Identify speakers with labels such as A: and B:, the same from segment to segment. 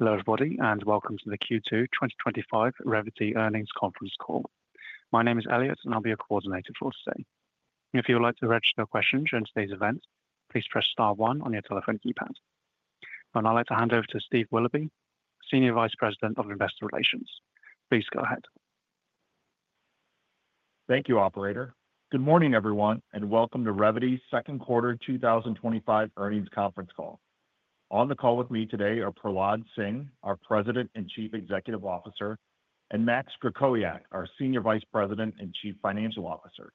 A: Hello, everybody, and welcome to the Q2 2025 Revvity Earnings Conference Call. My name is Elliot, and I'll be your coordinator for today. If you would like to register a question during today's event, please press star one on your telephone keypad. I would like to hand over to Steve Willoughby, Senior Vice President of Investor Relations. Please go ahead.
B: Thank you, Operator. Good morning, everyone, and welcome to Revvity's Second Quarter 2025 Earnings Conference call. On the call with me today are Prahlad Singh, our President and Chief Executive Officer, and Max Krakowiak, our Senior Vice President and Chief Financial Officer.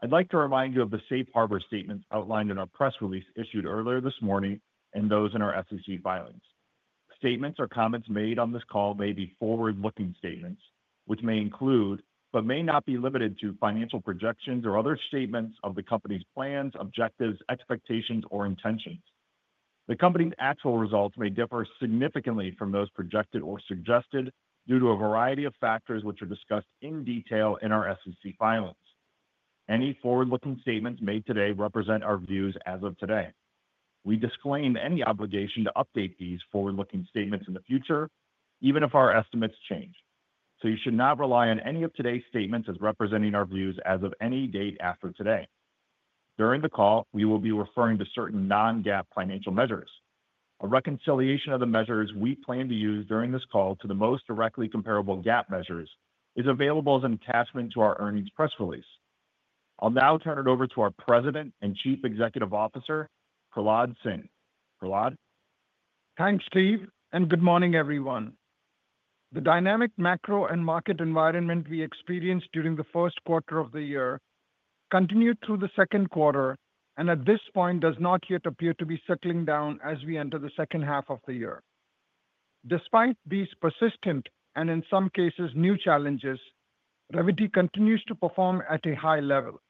B: I'd like to remind you of the safe harbor statements outlined in our press release issued earlier this morning and those in our SEC filings. Statements or comments made on this call may be forward-looking statements, which may include but may not be limited to financial projections or other statements of the company's plans, objectives, expectations, or intentions. The company's actual results may differ significantly from those projected or suggested due to a variety of factors which are discussed in detail in our SEC filings. Any forward-looking statements made today represent our views as of today. We disclaim any obligation to update these forward-looking statements in the future, even if our estimates change. You should not rely on any of today's statements as representing our views as of any date after today. During the call, we will be referring to certain non-GAAP financial measures. A reconciliation of the measures we plan to use during this call to the most directly comparable GAAP measures is available as an attachment to our earnings press release. I'll now turn it over to our President and Chief Executive Officer, Prahlad Singh. Prahlad.
C: Thanks, Steve, and good morning, everyone. The dynamic macro and market environment we experienced during the first quarter of the year continued through the second quarter and at this point does not yet appear to be settling down as we enter the second half of the year. Despite these persistent and, in some cases, new challenges, Revvity continues to perform at a high level.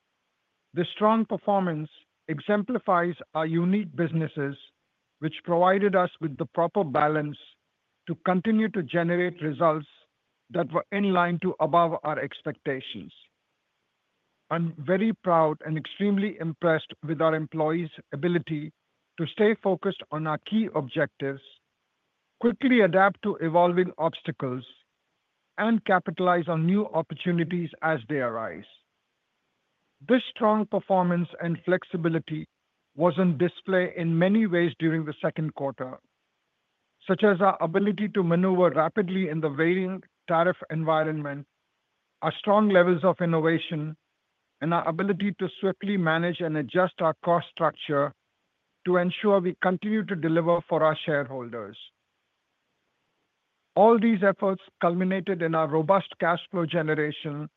C: The strong performance exemplifies our unique businesses, which provided us with the proper balance to continue to generate results that were in line to above our expectations. I'm very proud and extremely impressed with our employees' ability to stay focused on our key objectives, quickly adapt to evolving obstacles, and capitalize on new opportunities as they arise. This strong performance and flexibility was on display in many ways during the second quarter. Such as our ability to maneuver rapidly in the varying tariff environment. Our strong levels of innovation, and our ability to swiftly manage and adjust our cost structure to ensure we continue to deliver for our shareholders. All these efforts culminated in our robust cash flow generation,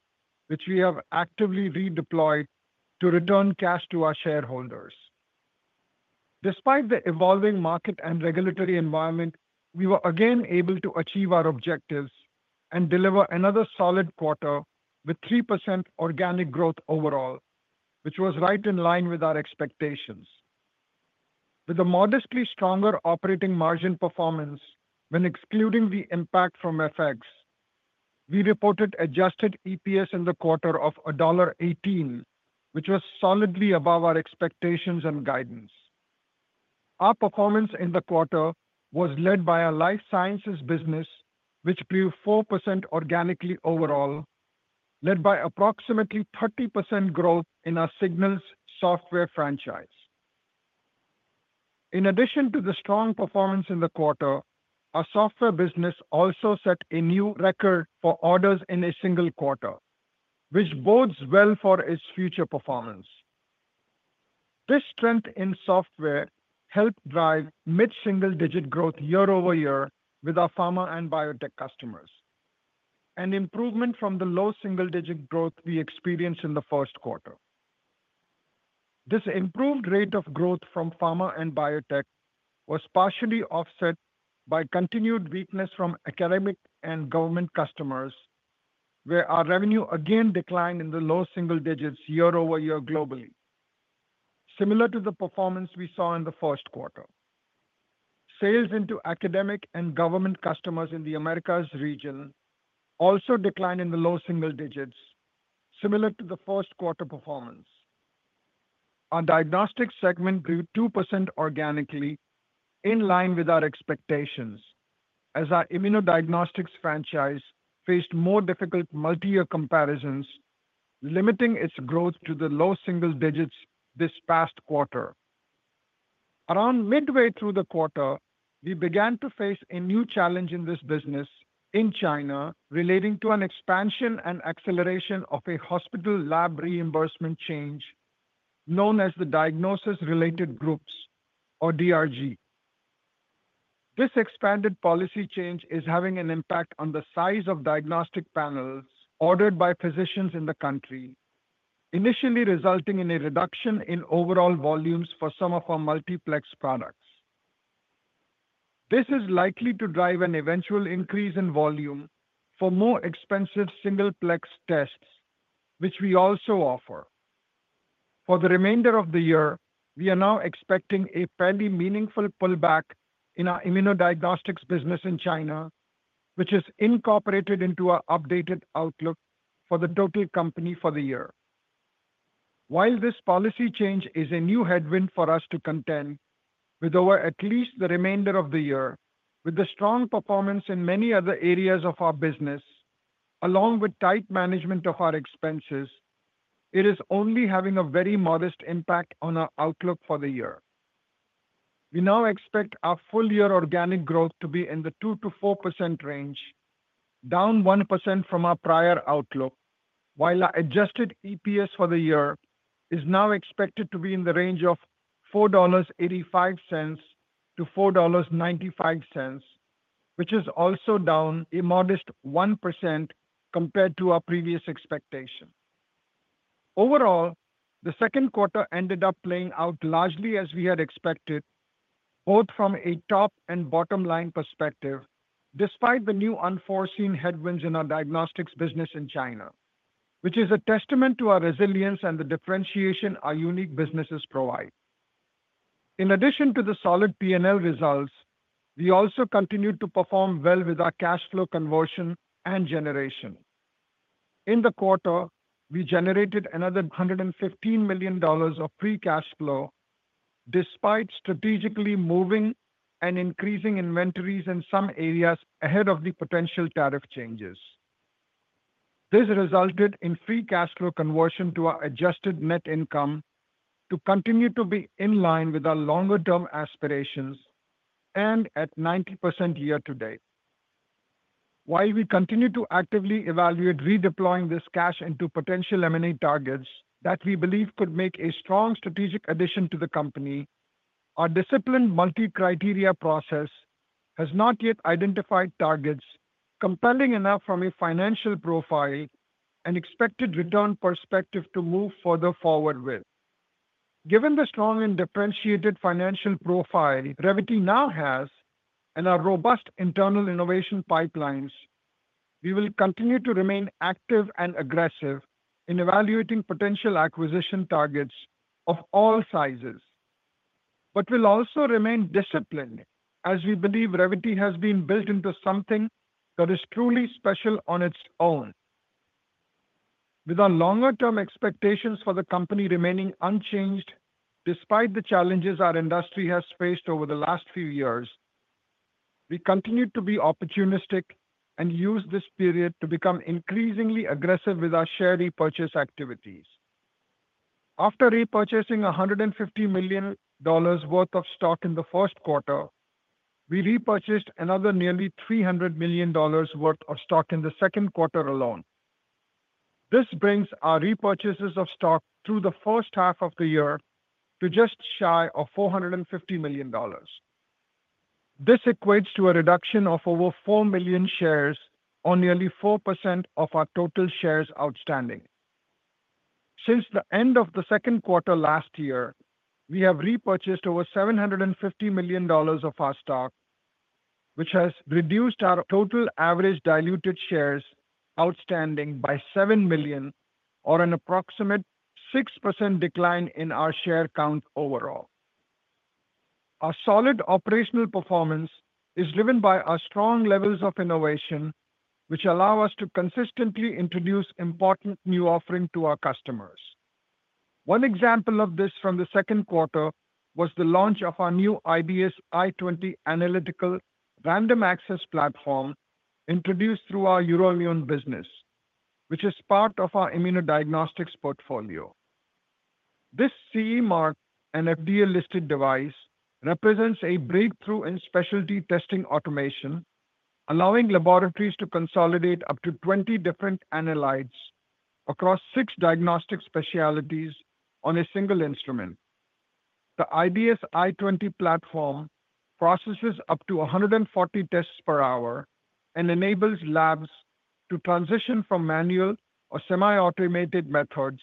C: which we have actively redeployed to return cash to our shareholders. Despite the evolving market and regulatory environment, we were again able to achieve our objectives and deliver another solid quarter with 3% organic growth overall, which was right in line with our expectations. With a modestly stronger operating margin performance when excluding the impact from FX. We reported adjusted EPS in the quarter of $1.18, which was solidly above our expectations and guidance. Our performance in the quarter was led by our life sciences business, which grew 4% organically overall. Led by approximately 30% growth in our Signals software franchise. In addition to the strong performance in the quarter, our software business also set a new record for orders in a single quarter, which bodes well for its future performance. This strength in software helped drive mid-single-digit growth year over year with our pharma and biotech customers. An improvement from the low single-digit growth we experienced in the first quarter. This improved rate of growth from pharma and biotech was partially offset by continued weakness from academic and government customers, where our revenue again declined in the low single digits year over year globally. Similar to the performance we saw in the first quarter. Sales into academic and government customers in the Americas region also declined in the low single digits, similar to the first quarter performance. Our diagnostics segment grew 2% organically, in line with our expectations, as our immunodiagnostics franchise faced more difficult multi-year comparisons, limiting its growth to the low single digits this past quarter. Around midway through the quarter, we began to face a new challenge in this business in China relating to an expansion and acceleration of a hospital lab reimbursement change known as the diagnosis-related groups, or DRG. This expanded policy change is having an impact on the size of diagnostic panels ordered by physicians in the country, initially resulting in a reduction in overall volumes for some of our multiplex products. This is likely to drive an eventual increase in volume for more expensive singleplex tests, which we also offer. For the remainder of the year, we are now expecting a fairly meaningful pullback in our immunodiagnostics business in China, which is incorporated into our updated outlook for the total company for the year. While this policy change is a new headwind for us to contend with over at least the remainder of the year, with the strong performance in many other areas of our business, along with tight management of our expenses, it is only having a very modest impact on our outlook for the year. We now expect our full-year organic growth to be in the 2%-4% range, down 1% from our prior outlook, while our adjusted EPS for the year is now expected to be in the range of $4.85-$4.95, which is also down a modest 1% compared to our previous expectation. Overall, the second quarter ended up playing out largely as we had expected, both from a top and bottom-line perspective, despite the new unforeseen headwinds in our diagnostics business in China, which is a testament to our resilience and the differentiation our unique businesses provide. In addition to the solid P&L results, we also continued to perform well with our cash flow conversion and generation. In the quarter, we generated another $115 million of free cash flow. Despite strategically moving and increasing inventories in some areas ahead of the potential tariff changes, this resulted in free cash flow conversion to our adjusted net income to continue to be in line with our longer-term aspirations and at 90% year to date. While we continue to actively evaluate redeploying this cash into potential M&A targets that we believe could make a strong strategic addition to the company, our disciplined multi-criteria process has not yet identified targets compelling enough from a financial profile and expected return perspective to move further forward with. Given the strong and differentiated financial profile Revvity now has and our robust internal innovation pipelines, we will continue to remain active and aggressive in evaluating potential acquisition targets of all sizes. We will also remain disciplined as we believe Revvity has been built into something that is truly special on its own. With our longer-term expectations for the company remaining unchanged despite the challenges our industry has faced over the last few years, we continue to be opportunistic and use this period to become increasingly aggressive with our share repurchase activities. After repurchasing $150 million worth of stock in the first quarter, we repurchased another nearly $300 million worth of stock in the second quarter alone. This brings our repurchases of stock through the first half of the year to just shy of $450 million. This equates to a reduction of over 4 million shares or nearly 4% of our total shares outstanding. Since the end of the second quarter last year, we have repurchased over $750 million of our stock, which has reduced our total average diluted shares outstanding by 7 million, or an approximate 6% decline in our share count overall. Our solid operational performance is driven by our strong levels of innovation, which allow us to consistently introduce important new offerings to our customers. One example of this from the second quarter was the launch of our new IDS i20 analytical random access platform, introduced through our Euroimmun business, which is part of our immunodiagnostics portfolio. This CE marked and FDA-listed device represents a breakthrough in specialty testing automation, allowing laboratories to consolidate up to 20 different analytes across six diagnostic specialties on a single instrument, the IDS i20 platform. It processes up to 140 tests per hour and enables labs to transition from manual or semi-automated methods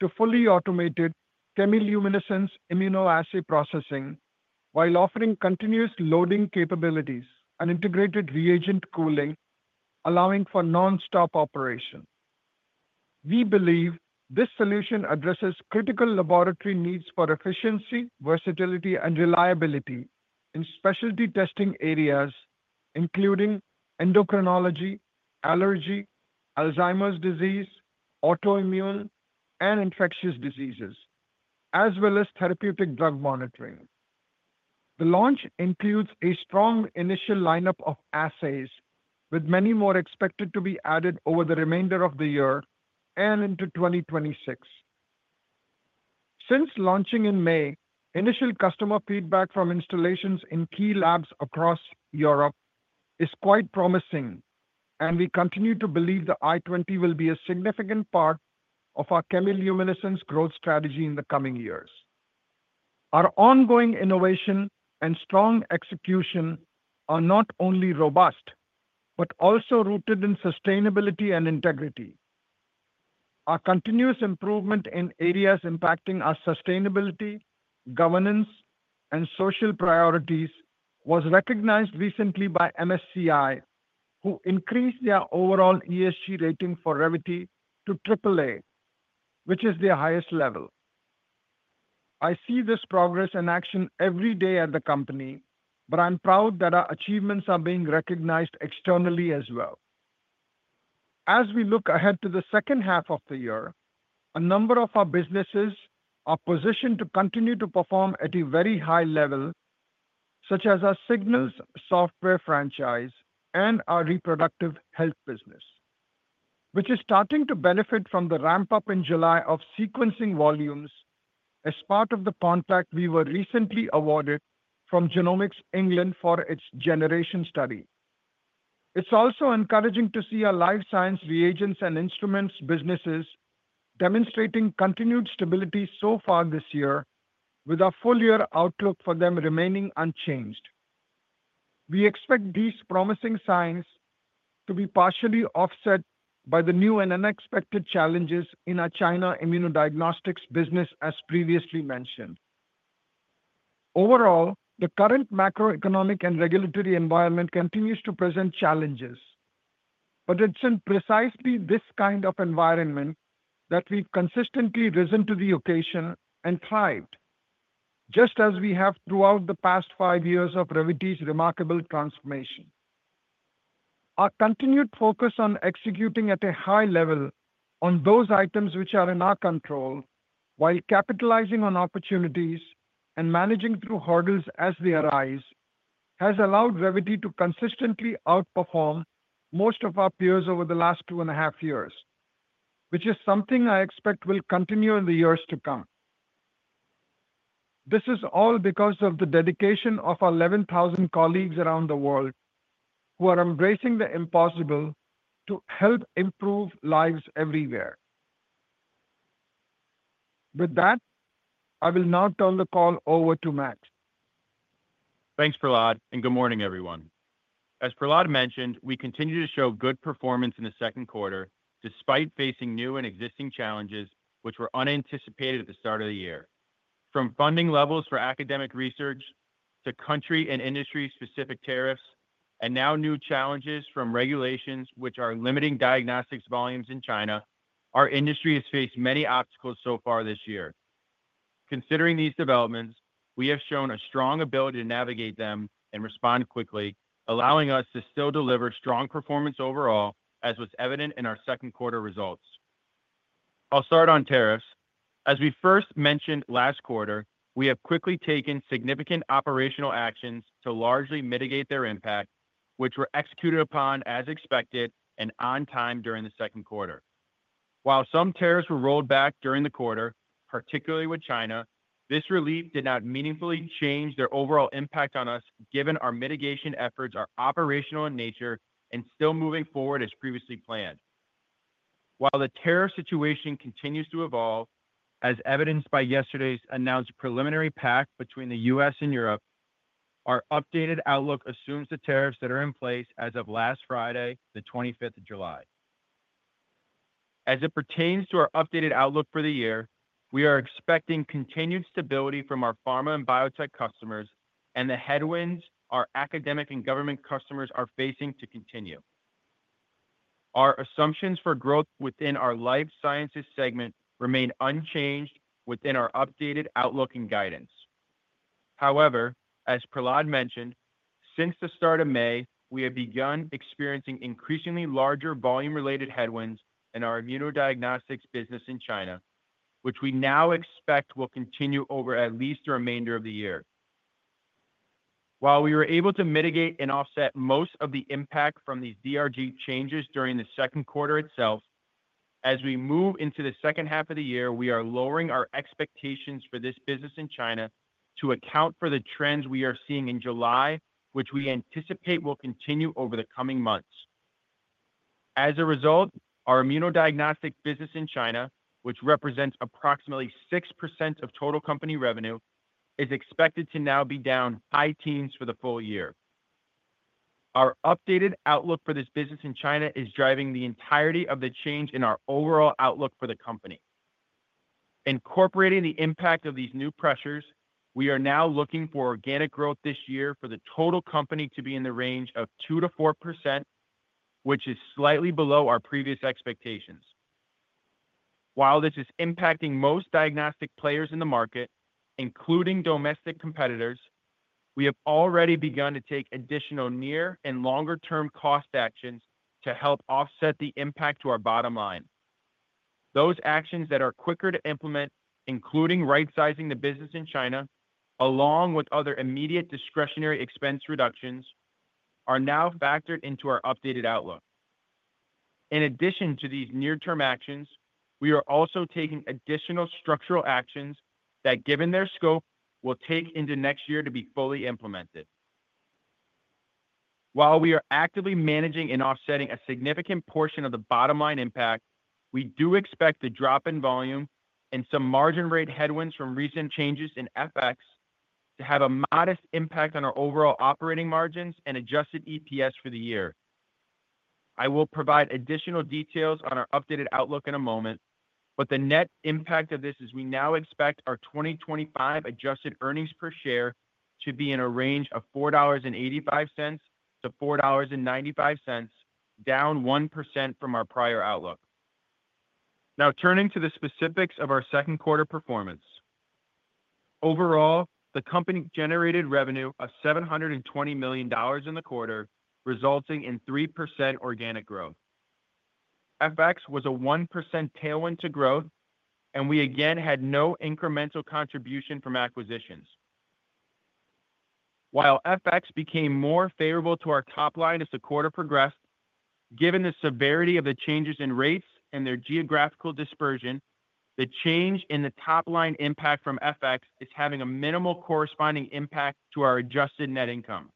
C: to fully automated chemiluminescence immunoassay processing while offering continuous loading capabilities and integrated reagent cooling, allowing for nonstop operation. We believe this solution addresses critical laboratory needs for efficiency, versatility, and reliability in specialty testing areas, including endocrinology, allergy, Alzheimer's disease, autoimmune, and infectious diseases, as well as therapeutic drug monitoring. The launch includes a strong initial lineup of assays, with many more expected to be added over the remainder of the year and into 2026. Since launching in May, initial customer feedback from installations in key labs across Europe is quite promising, and we continue to believe the i20 will be a significant part of our chemiluminescence growth strategy in the coming years. Our ongoing innovation and strong execution are not only robust but also rooted in sustainability and integrity. Our continuous improvement in areas impacting our sustainability, governance, and social priorities was recognized recently by MSCI, who increased their overall ESG rating for Revvity to AAA, which is their highest level. I see this progress in action every day at the company, but I'm proud that our achievements are being recognized externally as well. As we look ahead to the second half of the year, a number of our businesses are positioned to continue to perform at a very high level, such as our Signals software franchise and our reproductive health business, which is starting to benefit from the ramp-up in July of sequencing volumes as part of the contract we were recently awarded from Genomics England for its generation study. It's also encouraging to see our life science reagents and instruments businesses demonstrating continued stability so far this year, with our full-year outlook for them remaining unchanged. We expect these promising signs to be partially offset by the new and unexpected challenges in our China immunodiagnostics business, as previously mentioned. Overall, the current macroeconomic and regulatory environment continues to present challenges. It's in precisely this kind of environment that we've consistently risen to the occasion and thrived. Just as we have throughout the past five years of Revvity's remarkable transformation. Our continued focus on executing at a high level on those items which are in our control, while capitalizing on opportunities and managing through hurdles as they arise, has allowed Revvity to consistently outperform most of our peers over the last two and a half years, which is something I expect will continue in the years to come. This is all because of the dedication of our 11,000 colleagues around the world who are embracing the impossible to help improve lives everywhere. With that, I will now turn the call over to Max.
D: Thanks, Prahlad, and good morning, everyone. As Prahlad mentioned, we continue to show good performance in the second quarter despite facing new and existing challenges which were unanticipated at the start of the year. From funding levels for academic research to country and industry-specific tariffs and now new challenges from regulations which are limiting diagnostics volumes in China, our industry has faced many obstacles so far this year. Considering these developments, we have shown a strong ability to navigate them and respond quickly, allowing us to still deliver strong performance overall, as was evident in our second quarter results. I'll start on tariffs. As we first mentioned last quarter, we have quickly taken significant operational actions to largely mitigate their impact, which were executed upon as expected and on time during the second quarter. While some tariffs were rolled back during the quarter, particularly with China, this relief did not meaningfully change their overall impact on us, given our mitigation efforts are operational in nature and still moving forward as previously planned. While the tariff situation continues to evolve, as evidenced by yesterday's announced preliminary pact between the U.S. and Europe, our updated outlook assumes the tariffs that are in place as of last Friday, the 25th of July. As it pertains to our updated outlook for the year, we are expecting continued stability from our pharma and biotech customers, and the headwinds our academic and government customers are facing to continue. Our assumptions for growth within our life sciences segment remain unchanged within our updated outlook and guidance. However, as Prahlad mentioned, since the start of May, we have begun experiencing increasingly larger volume-related headwinds in our immunodiagnostics business in China, which we now expect will continue over at least the remainder of the year. While we were able to mitigate and offset most of the impact from these Ichanges during the second quarter itself, as we move into the second half of the year, we are lowering our expectations for this business in China to account for the trends we are seeing in July, which we anticipate will continue over the coming months. As a result, our immunodiagnostics business in China, which represents approximately 6% of total company revenue, is expected to now be down high teens for the full year. Our updated outlook for this business in China is driving the entirety of the change in our overall outlook for the company. Incorporating the impact of these new pressures, we are now looking for organic growth this year for the total company to be in the range of 2%-4%, which is slightly below our previous expectations. While this is impacting most diagnostic players in the market, including domestic competitors, we have already begun to take additional near and longer-term cost actions to help offset the impact to our bottom line. Those actions that are quicker to implement, including right-sizing the business in China, along with other immediate discretionary expense reductions, are now factored into our updated outlook. In addition to these near-term actions, we are also taking additional structural actions that, given their scope, will take into next year to be fully implemented. While we are actively managing and offsetting a significant portion of the bottom line impact, we do expect the drop in volume and some margin rate headwinds from recent changes in FX to have a modest impact on our overall operating margins and adjusted EPS for the year. I will provide additional details on our updated outlook in a moment, but the net impact of this is we now expect our 2025 adjusted earnings per share to be in a range of $4.85-$4.95, down 1% from our prior outlook. Now, turning to the specifics of our second quarter performance. Overall, the company generated revenue of $720 million in the quarter, resulting in 3% organic growth. FX was a 1% tailwind to growth, and we again had no incremental contribution from acquisitions. While FX became more favorable to our top line as the quarter progressed, given the severity of the changes in rates and their geographical dispersion, the change in the top line impact from FX is having a minimal corresponding impact to our adjusted net income,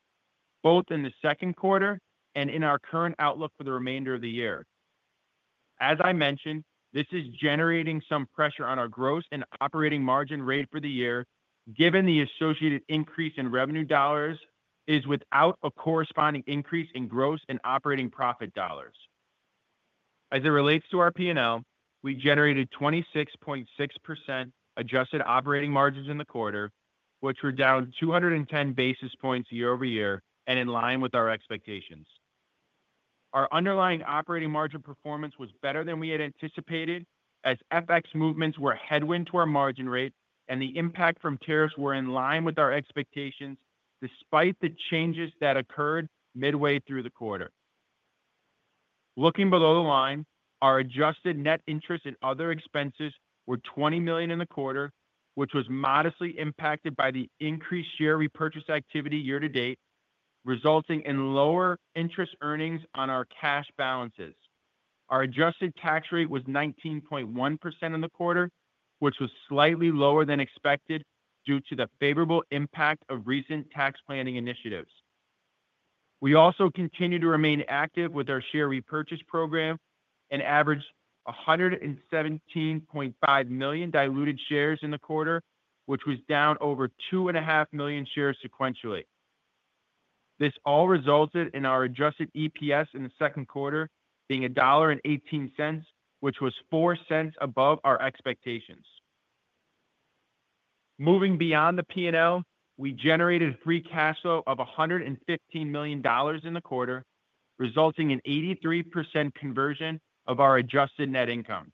D: both in the second quarter and in our current outlook for the remainder of the year. As I mentioned, this is generating some pressure on our gross and operating margin rate for the year, given the associated increase in revenue dollars is without a corresponding increase in gross and operating profit dollars. As it relates to our P&L, we generated 26.6% adjusted operating margins in the quarter, which were down 210 basis points year over year and in line with our expectations. Our underlying operating margin performance was better than we had anticipated, as FX movements were a headwind to our margin rate, and the impact from tariffs was in line with our expectations despite the changes that occurred midway through the quarter. Looking below the line, our adjusted net interest and other expenses were $20 million in the quarter, which was modestly impacted by the increased share repurchase activity year to date, resulting in lower interest earnings on our cash balances. Our adjusted tax rate was 19.1% in the quarter, which was slightly lower than expected due to the favorable impact of recent tax planning initiatives. We also continue to remain active with our share repurchase program and averaged 117.5 million diluted shares in the quarter, which was down over 2.5 million shares sequentially. This all resulted in our adjusted EPS in the second quarter being $1.18, which was 4 cents above our expectations. Moving beyond the P&L, we generated free cash flow of $115 million in the quarter, resulting in 83% conversion of our adjusted net income.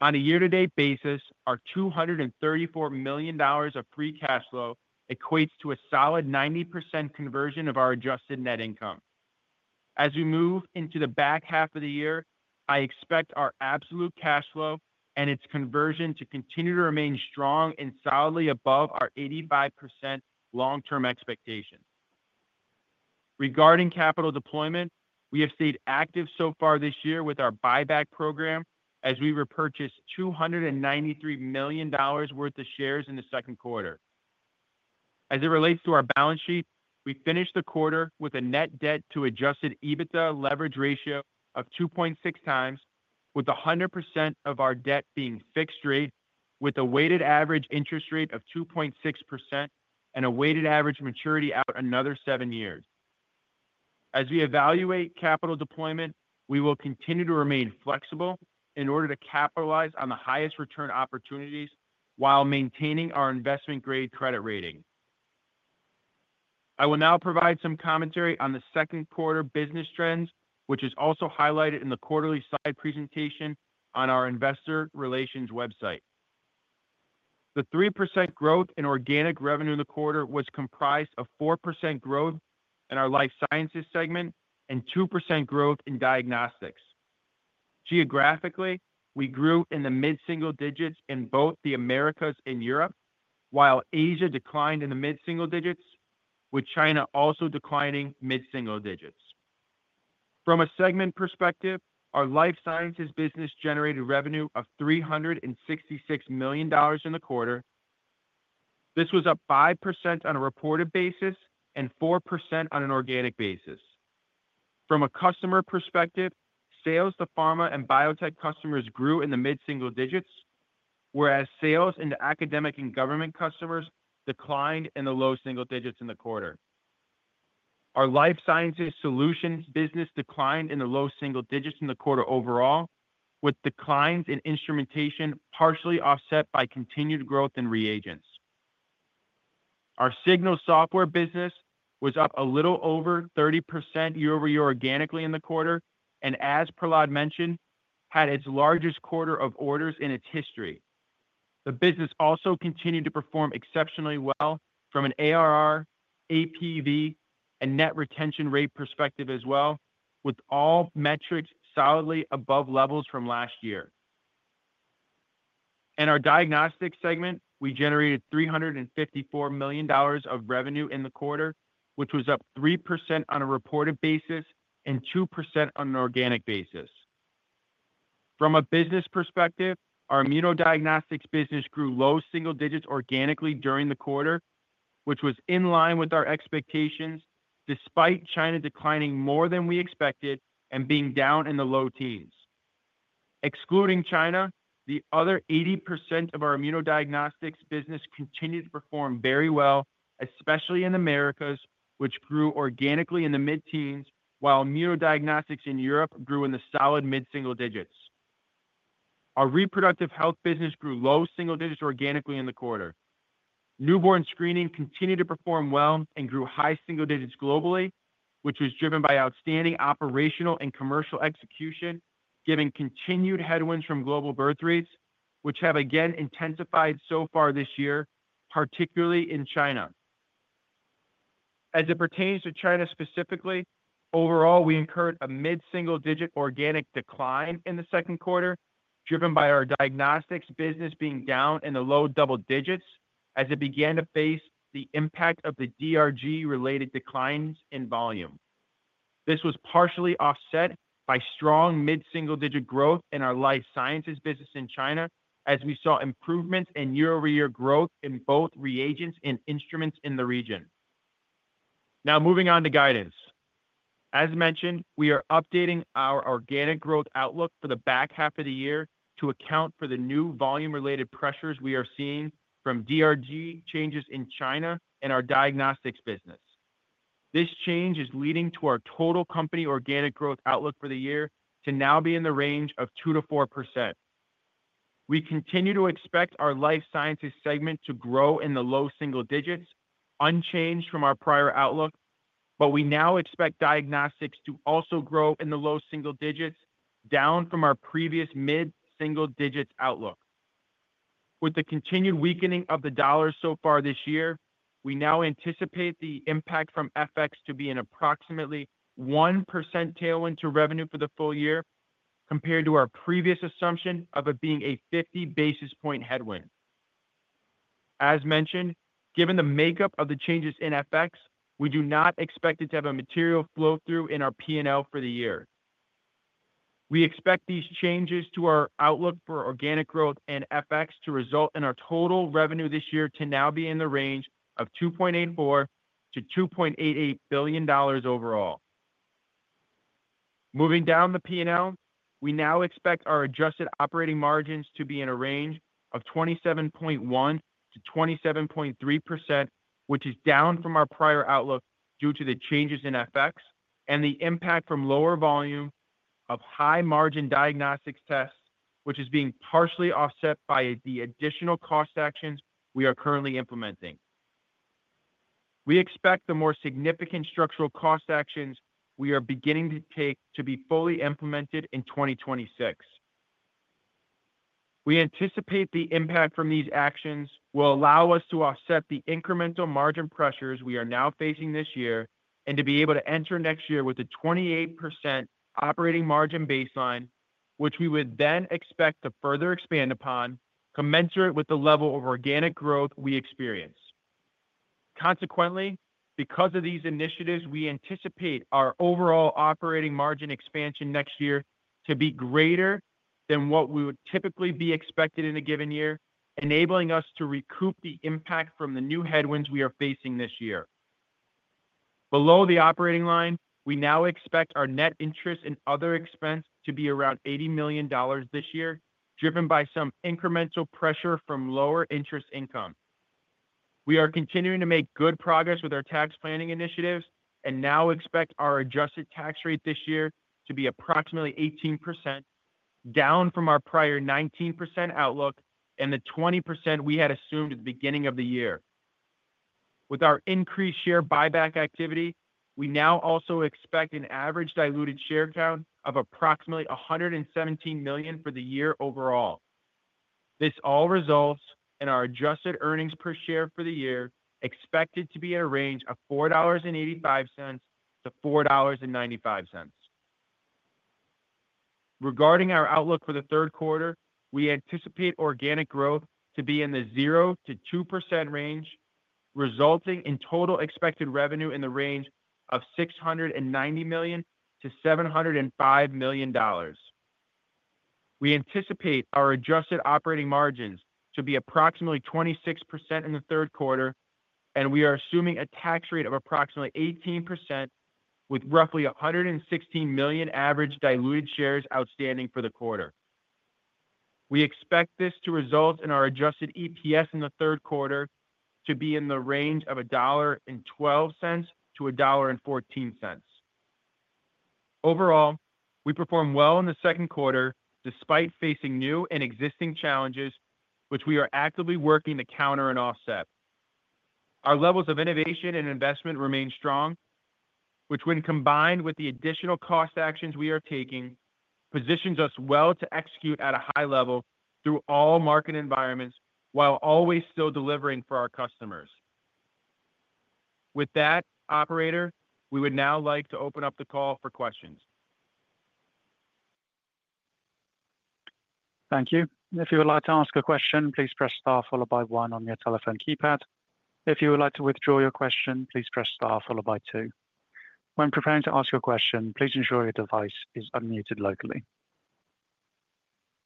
D: On a year-to-date basis, our $234 million of free cash flow equates to a solid 90% conversion of our adjusted net income. As we move into the back half of the year, I expect our absolute cash flow and its conversion to continue to remain strong and solidly above our 85% long-term expectations. Regarding capital deployment, we have stayed active so far this year with our buyback program as we repurchased $293 million worth of shares in the second quarter. As it relates to our balance sheet, we finished the quarter with a net debt to adjusted EBITDA leverage ratio of 2.6 times, with 100% of our debt being fixed rate, with a weighted average interest rate of 2.6% and a weighted average maturity out another seven years. As we evaluate capital deployment, we will continue to remain flexible in order to capitalize on the highest return opportunities while maintaining our investment-grade credit rating. I will now provide some commentary on the second quarter business trends, which is also highlighted in the quarterly slide presentation on our investor relations website. The 3% growth in organic revenue in the quarter was comprised of 4% growth in our life sciences segment and 2% growth in diagnostics. Geographically, we grew in the mid-single digits in both the Americas and Europe, while Asia declined in the mid-single digits, with China also declining mid-single digits. From a segment perspective, our life sciences business generated revenue of $366 million in the quarter. This was up 5% on a reported basis and 4% on an organic basis. From a customer perspective, sales to pharma and biotech customers grew in the mid-single digits, whereas sales into academic and government customers declined in the low single digits in the quarter. Our life sciences solutions business declined in the low single digits in the quarter overall, with declines in instrumentation partially offset by continued growth in reagents. Our Signals software business was up a little over 30% year over year organically in the quarter, and as Prahlad mentioned, had its largest quarter of orders in its history. The business also continued to perform exceptionally well from an ARR, APV, and net retention rate perspective as well, with all metrics solidly above levels from last year. In our diagnostics segment, we generated $354 million of revenue in the quarter, which was up 3% on a reported basis and 2% on an organic basis. From a business perspective, our immunodiagnostics business grew low single digits organically during the quarter, which was in line with our expectations despite China declining more than we expected and being down in the low teens. Excluding China, the other 80% of our immunodiagnostics business continued to perform very well, especially in the Americas, which grew organically in the mid-teens, while immunodiagnostics in Europe grew in the solid mid-single digits. Our reproductive health business grew low single digits organically in the quarter. Newborn screening continued to perform well and grew high single digits globally, which was driven by outstanding operational and commercial execution, given continued headwinds from global birth rates, which have again intensified so far this year, particularly in China. As it pertains to China specifically, overall, we incurred a mid-single digit organic decline in the second quarter, driven by our diagnostics business being down in the low double digits as it began to face the impact of the DRG-related declines in volume. This was partially offset by strong mid-single digit growth in our life sciences business in China, as we saw improvements in year-over-year growth in both reagents and instruments in the region. Now, moving on to guidance. As mentioned, we are updating our organic growth outlook for the back half of the year to account for the new volume-related pressures we are seeing from DRG changes in China and our diagnostics business. This change is leading to our total company organic growth outlook for the year to now be in the range of 2%-4%. We continue to expect our life sciences segment to grow in the low single digits, unchanged from our prior outlook, but we now expect diagnostics to also grow in the low single digits, down from our previous mid-single digits outlook. With the continued weakening of the dollar so far this year, we now anticipate the impact from FX to be an approximately 1% tailwind to revenue for the full year, compared to our previous assumption of it being a 50 basis point headwind. As mentioned, given the makeup of the changes in FX, we do not expect it to have a material flow-through in our P&L for the year. We expect these changes to our outlook for organic growth and FX to result in our total revenue this year to now be in the range of $2.84 billion-$2.88 billion overall. Moving down the P&L, we now expect our adjusted operating margins to be in a range of 27.1%-27.3%, which is down from our prior outlook due to the changes in FX and the impact from lower volume of high-margin diagnostics tests, which is being partially offset by the additional cost actions we are currently implementing. We expect the more significant structural cost actions we are beginning to take to be fully implemented in 2026. We anticipate the impact from these actions will allow us to offset the incremental margin pressures we are now facing this year and to be able to enter next year with a 28% operating margin baseline, which we would then expect to further expand upon, commensurate with the level of organic growth we experience. Consequently, because of these initiatives, we anticipate our overall operating margin expansion next year to be greater than what we would typically be expected in a given year, enabling us to recoup the impact from the new headwinds we are facing this year. Below the operating line, we now expect our net interest and other expense to be around $80 million this year, driven by some incremental pressure from lower interest income. We are continuing to make good progress with our tax planning initiatives and now expect our adjusted tax rate this year to be approximately 18%, down from our prior 19% outlook and the 20% we had assumed at the beginning of the year. With our increased share buyback activity, we now also expect an average diluted share count of approximately 117 million for the year overall. This all results in our adjusted earnings per share for the year expected to be in a range of $4.85-$4.95. Regarding our outlook for the third quarter, we anticipate organic growth to be in the 0%-2% range, resulting in total expected revenue in the range of $690 million-$705 million. We anticipate our adjusted operating margins to be approximately 26% in the third quarter, and we are assuming a tax rate of approximately 18%, with roughly 116 million average diluted shares outstanding for the quarter. We expect this to result in our adjusted EPS in the third quarter to be in the range of $1.12-$1.14. Overall, we perform well in the second quarter despite facing new and existing challenges, which we are actively working to counter and offset. Our levels of innovation and investment remain strong, which, when combined with the additional cost actions we are taking, positions us well to execute at a high level through all market environments while always still delivering for our customers. With that, Operator, we would now like to open up the call for questions.
A: Thank you. If you would like to ask a question, please press star followed by one on your telephone keypad. If you would like to withdraw your question, please press star followed by two. When preparing to ask your question, please ensure your device is unmuted locally.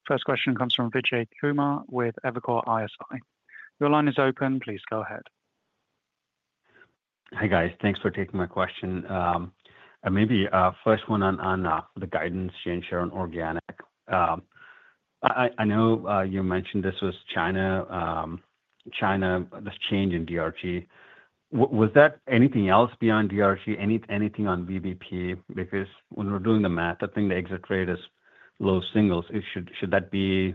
A: First question comes from Vijay Kumar with Evercore ISI. Your line is open. Please go ahead.
E: Hey, guys. Thanks for taking my question. And maybe, first one on, on, the guidance you share on organic. I know, you mentioned this was China, China, this change in DRG. Was that anything else beyond DRG? Anything on VBP? Because when we're doing the math, I think the exit rate is low singles. It should, should that be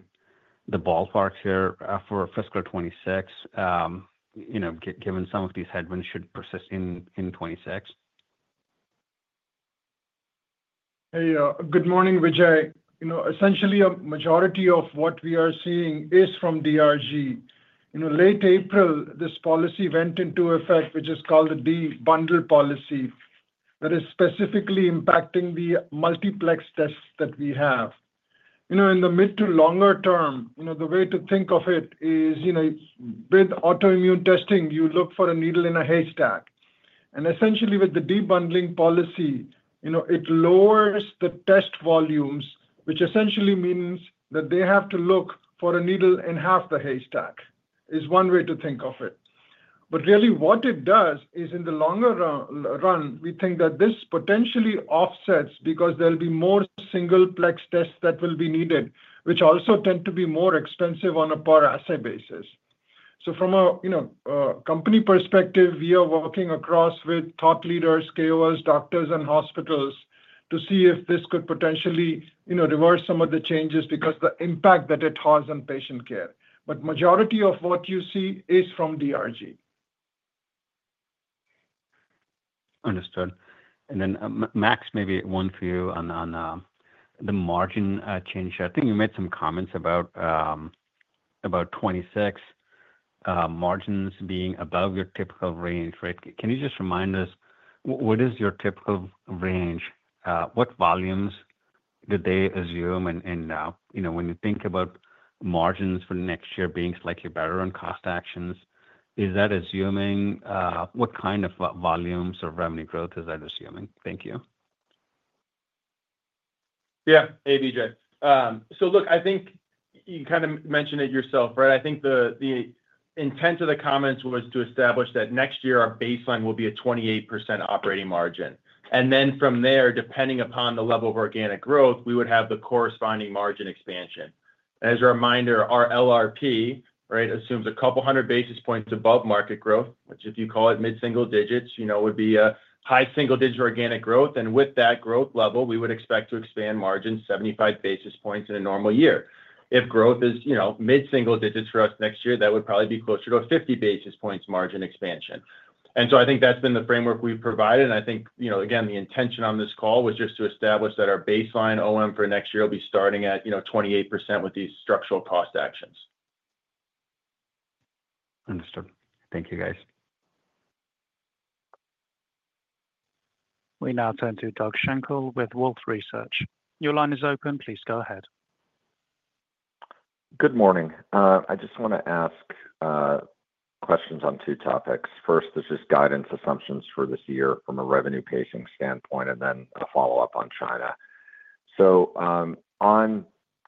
E: the ballpark here, for fiscal 2026? You know, given some of these headwinds should persist in, in 2026.
C: Hey, good morning, Vijay. You know, essentially, a majority of what we are seeing is from DRG. You know, late April, this policy went into effect, which is called the debundle policy, that is specifically impacting the multiplex tests that we have. You know, in the mid to longer term, you know, the way to think of it is, you know, with autoimmune testing, you look for a needle in a haystack. And essentially, with the debundling policy, you know, it lowers the test volumes, which essentially means that they have to look for a needle in half the haystack is one way to think of it. But really, what it does is, in the longer run, we think that this potentially offsets because there will be more single plex tests that will be needed, which also tend to be more expensive on a per assay basis. So from a, you know, company perspective, we are working across with thought leaders, KOLs, doctors, and hospitals to see if this could potentially, you know, reverse some of the changes because of the impact that it has on patient care. But the majority of what you see is from DRG.
E: Understood. And then, Max, maybe one for you on, on, the margin, change here. I think you made some comments about, about 2026 margins being above your typical range, right? Can you just remind us, what is your typical range? What volumes do they assume? And, and, you know, when you think about margins for next year being slightly better on cost actions, is that assuming, what kind of volumes or revenue growth is that assuming? Thank you.
D: Yeah. Hey, Vijay. So look, I think you kind of mentioned it yourself, right? I think the, the intent of the comments was to establish that next year, our baseline will be a 28% operating margin. And then from there, depending upon the level of organic growth, we would have the corresponding margin expansion. As a reminder, our LRP, right, assumes a couple hundred basis points above market growth, which, if you call it mid-single digits, you know, would be a high single digit organic growth. And with that growth level, we would expect to expand margin 75 basis points in a normal year. If growth is, you know, mid-single digits for us next year, that would probably be closer to a 50 basis points margin expansion. And so I think that's been the framework we have provided. And I think, you know, again, the intention on this call was just to establish that our baseline OM for next year will be starting at, you know, 28% with these structural cost actions.
E: Understood. Thank you, guys.
A: We now turn to Doug Schenkel with Wolfe Research. Your line is open. Please go ahead.
F: Good morning. I just want to ask, questions on two topics. First is just guidance assumptions for this year from a revenue pacing standpoint, and then a follow-up on China. On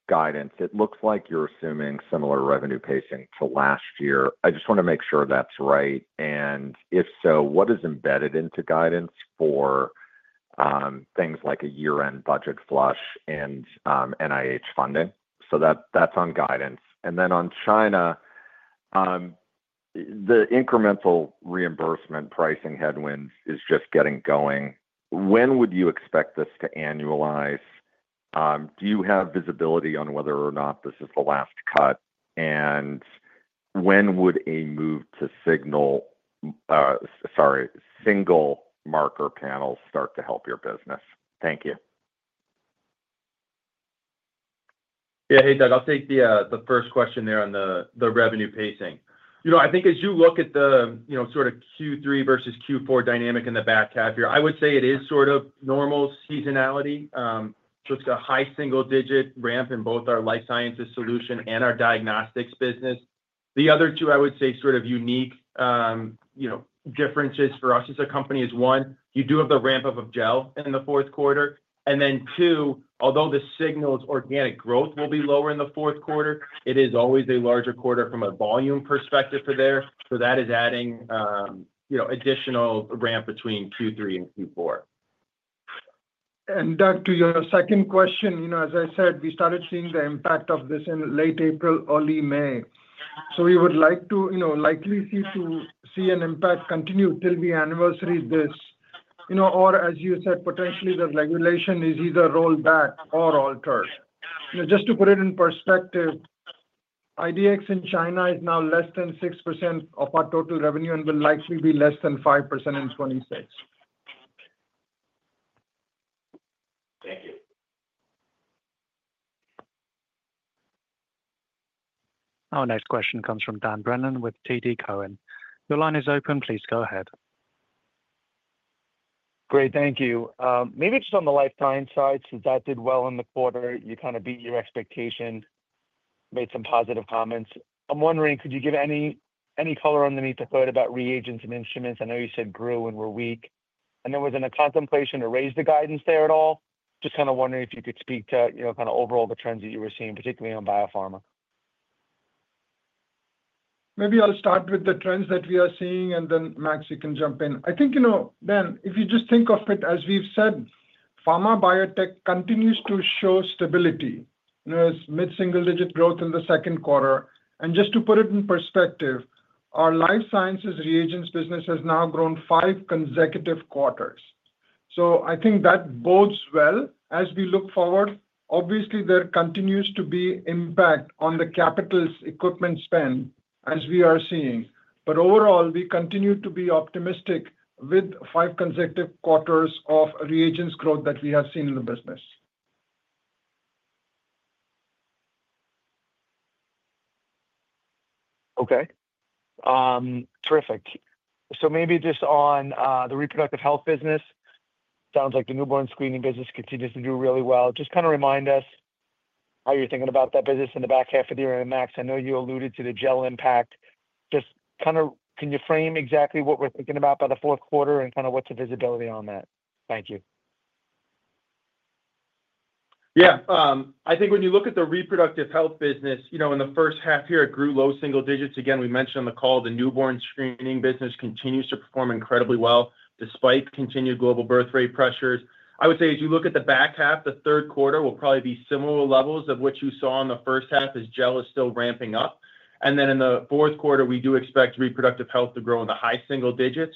F: guidance, it looks like you're assuming similar revenue pacing to last year. I just want to make sure that's right. And if so, what is embedded into guidance for things like a year-end budget flush and NIH funding? That, that's on guidance. And then on China, the incremental reimbursement pricing headwinds is just getting going. When would you expect this to annualize? Do you have visibility on whether or not this is the last cut? When would a move to single marker panels start to help your business? Thank you.
D: Yeah. Hey, Doug, I'll take the first question there on the revenue pacing. You know, I think as you look at the, you know, sort of Q3 versus Q4 dynamic in the back half here, I would say it is sort of normal seasonality. It's a high single digit ramp in both our life sciences solution and our diagnostics business. The other two, I would say, sort of unique differences for us as a company is one, you do have the ramp up of gel in the fourth quarter. Two, although the signals organic growth will be lower in the fourth quarter, it is always a larger quarter from a volume perspective for there. That is adding additional ramp between Q3 and Q4.
C: Doug, to your second question, as I said, we started seeing the impact of this in late April, early May. We would likely see an impact continue till the anniversary this, or as you said, potentially the regulation is either rolled back or altered. Just to put it in perspective, IDX in China is now less than 6% of our total revenue and will likely be less than 5% in 2026.
A: Thank you. Our next question comes from Dan Brennan with TD Cohen. Your line is open. Please go ahead.
G: Great. Thank you. Maybe just on the lifetime side, since that did well in the quarter, you kind of beat your expectation. Made some positive comments. I'm wondering, could you give any color underneath the hood about reagents and instruments? I know you said grew and were weak. Was there a contemplation to raise the guidance there at all? Just kind of wondering if you could speak to, you know, kind of overall the trends that you were seeing, particularly on biopharma.
C: Maybe I'll start with the trends that we are seeing, and then Max, you can jump in. I think, you know, Ben, if you just think of it, as we've said, pharma biotech continues to show stability, you know, as mid-single digit growth in the second quarter. Just to put it in perspective, our life sciences reagents business has now grown five consecutive quarters. I think that bodes well as we look forward. Obviously, there continues to be impact on the capital equipment spend as we are seeing. Overall, we continue to be optimistic with five consecutive quarters of reagents growth that we have seen in the business.
G: Terrific. Maybe just on the reproductive health business. Sounds like the newborn screening business continues to do really well. Just kind of remind us how you are thinking about that business in the back half of the year. Max, I know you alluded to the gel impact. Can you frame exactly what we are thinking about by the fourth quarter and what is the visibility on that? Thank you.
D: Yeah. I think when you look at the reproductive health business, in the first half here, it grew low single digits. Again, we mentioned on the call, the newborn screening business continues to perform incredibly well despite continued global birth rate pressures. As you look at the back half, the third quarter will probably be similar levels of what you saw in the first half as gel is still ramping up. In the fourth quarter, we do expect reproductive health to grow in the high single digits,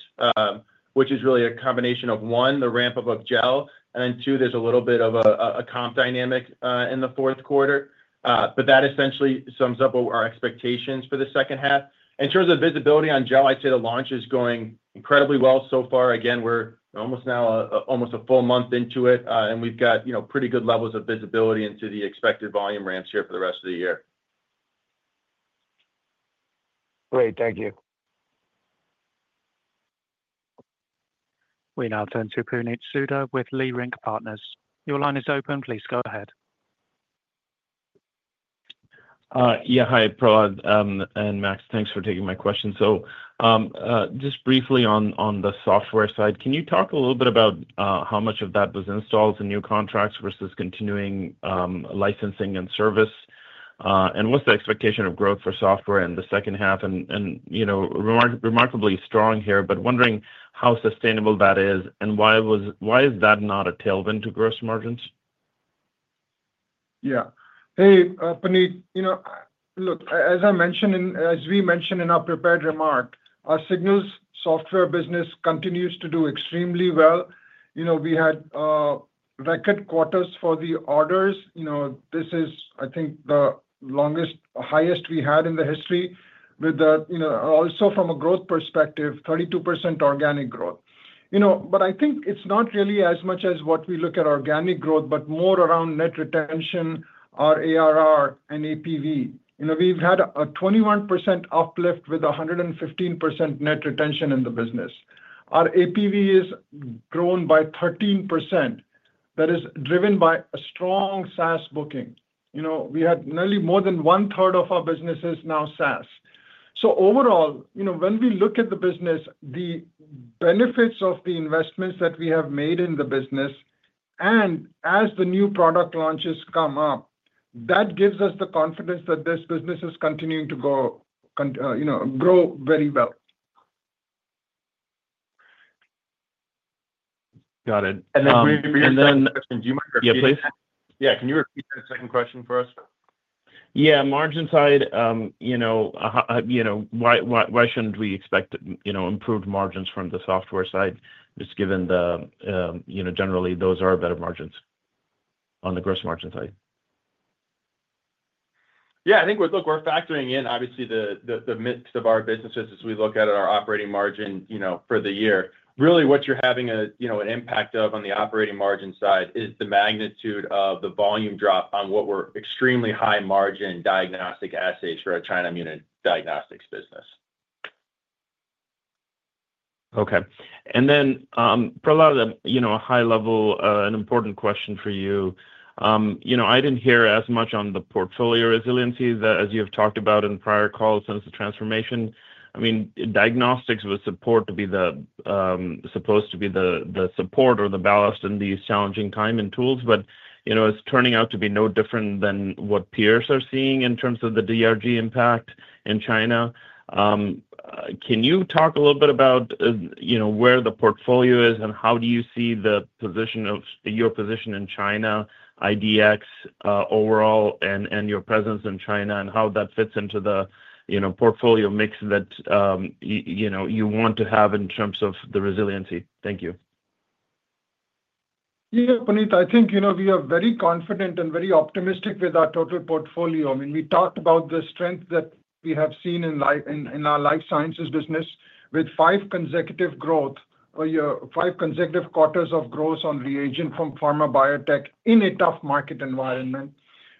D: which is really a combination of one, the ramp up of gel, and two, there is a little bit of a comp dynamic in the fourth quarter. That essentially sums up our expectations for the second half. In terms of visibility on gel, I would say the launch is going incredibly well so far. We are almost now, almost a full month into it, and we have got pretty good levels of visibility into the expected volume ramps here for the rest of the year.
G: Great. Thank you.
A: We now turn to Puneet Soudha with Leerink Partners. Your line is open. Please go ahead.
H: Yeah. Hi, Prahlad and Max, thanks for taking my question. Just briefly on the software side, can you talk a little bit about how much of that was installed to new contracts versus continuing licensing and service? What is the expectation of growth for software in the second half? Remarkably strong here, but wondering how sustainable that is and why is that not a tailwind to gross margins?
C: Yeah. Hey, Puneet, as I mentioned in, as we mentioned in our prepared remark, our Signals software business continues to do extremely well. We had record quarters for the orders. This is, I think, the longest, highest we had in the history with the, also from a growth perspective, 32% organic growth. You know, but I think it's not really as much as what we look at organic growth, but more around net retention, our ARR and APV. You know, we've had a 21% uplift with 115% net retention in the business. Our APV has grown by 13%. That is driven by a strong SaaS booking. You know, we had nearly more than one third of our business is now SaaS. Overall, you know, when we look at the business, the benefits of the investments that we have made in the business, and as the new product launches come up, that gives us the confidence that this business is continuing to grow very well.
H: Got it.
D: Can you repeat the second question? Do you mind repeating that? Yeah, please. Can you repeat that second question for us?
H: Margin side, you know, why shouldn't we expect improved margins from the software side, just given the, you know, generally those are better margins on the gross margin side?
D: I think we're, look, we're factoring in, obviously, the mix of our businesses as we look at our operating margin for the year. Really, what you're having an impact of on the operating margin side is the magnitude of the volume drop on what were extremely high margin diagnostic assays for a China immune diagnostics business.
H: Okay. Then, Prahlad, you know, a high level, an important question for you. You know, I didn't hear as much on the portfolio resiliency that, as you have talked about in prior calls since the transformation. I mean, diagnostics was supposed to be the support or the ballast in these challenging times and tools, but, you know, it's turning out to be no different than what peers are seeing in terms of the DRG impact in China. Can you talk a little bit about, you know, where the portfolio is and how do you see the position of your position in China, IDX, overall, and your presence in China and how that fits into the portfolio mix that, you know, you want to have in terms of the resiliency? Thank you. Yeah, Puneet, I think, you know, we are very confident and very optimistic with our total portfolio. I mean, we talked about the strength that we have seen in our life sciences business with five consecutive quarters of growth on reagent from pharma biotech in a tough market environment.